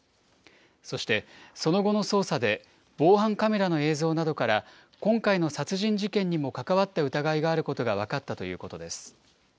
そしてその後の捜査で、防犯カメラの映像などから、今回の殺人事件にもかかわった疑いがあることが分かったということです。